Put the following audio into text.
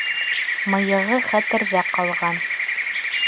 Мыйығы хәтерҙә ҡалған.